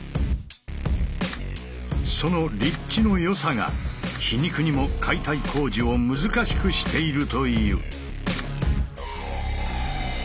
その「立地のよさ」が皮肉にも解体工事を難しくしているという。